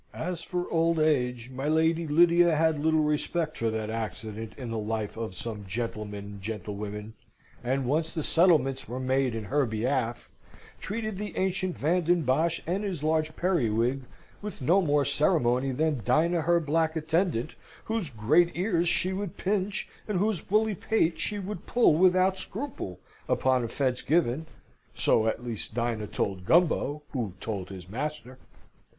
As for old age, my Lady Lydia had little respect for that accident in the life of some gentlemen and gentlewomen; and, once the settlements were made in her behalf, treated the ancient Van den Bosch and his large periwig with no more ceremony than Dinah her black attendant, whose great ears she would pinch, and whose woolly pate she would pull without scruple, upon offence given so at least Dinah told Gumbo, who told his master.